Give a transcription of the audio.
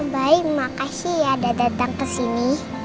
obayi makasih ya udah datang kesini